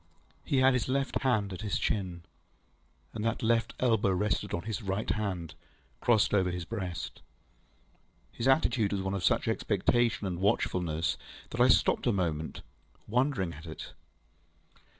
He had his left hand at his chin, and that left elbow rested on his right hand, crossed over his breast. His attitude was one of such expectation and watchfulness that I stopped a moment, wondering at it.